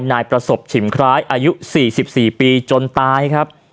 นายประสบฉิมคล้ายอายุสี่สิบสี่ปีจนตายครับ